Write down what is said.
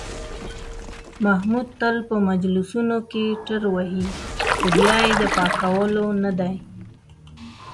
محمود تل په مجلسونو کې ټروهي، خو بیا یې د پاکولو نه دي.